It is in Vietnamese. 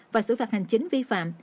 và xử phạt hành chính vi phạm